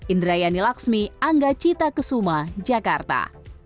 indrayani laksmi angga cita kesuma jakarta